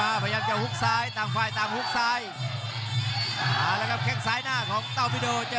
อับดูขยับหัวได้แข้งซ้าย